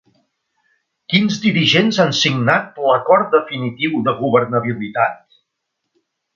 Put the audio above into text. Quins dirigents han signat l'acord definitiu de governabilitat?